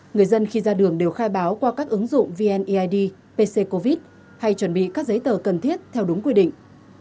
người dân khi ra đường đều khai báo qua các ứng dụng vneid pc covid hay chuẩn bị các giấy tờ cần thiết theo đúng quy định